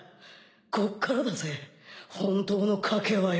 こっからだぜ本当の賭けはよ。